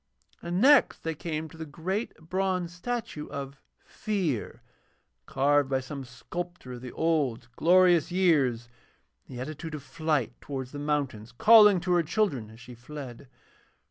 And next they came to the great bronze statue of Fear, carved by some sculptor of the old glorious years in the attitude of flight towards the mountains, calling to her children as she fled.